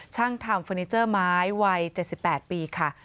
ช่างทำเฟอร์นิเจอร์ไม้วัย๗๘ปีค่ะ